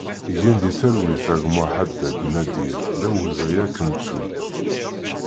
Gen di talwit a gma Ḥaddad Nadir, d awezɣi ad k-nettu!